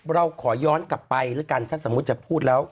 เราขอย้อนกลับไปแล้วกันถ้าสมมุติจะพูดแล้ว